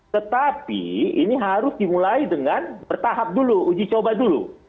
tetapi ini harus dimulai dengan bertahap dulu uji coba dulu